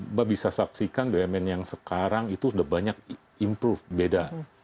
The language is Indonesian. mbak bisa saksikan bumn yang sekarang itu sudah banyak improve beda